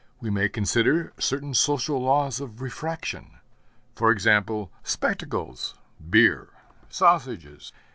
We may consider certain social laws of refraction for example, spectacles, beer, sausages.